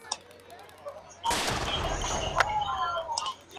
Verity Lambert es una vez más intachable".